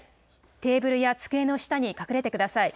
テーブルや机の下に隠れてください。